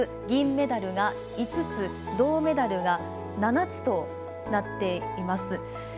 銀メダルが５つ銅メダルが７つとなっています。